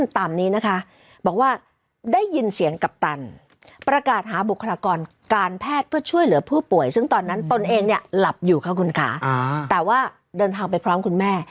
แต่ว่าเดินทางไปพร้อมคุณแม่